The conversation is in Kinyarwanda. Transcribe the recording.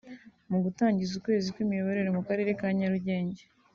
Mu gutangiza ukwezi kw’imiyoborere mu karere ka Nyarugenge